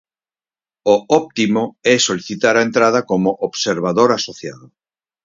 O óptimo é solicitar a entrada como observador asociado.